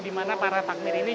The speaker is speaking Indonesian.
dimana para takmir ini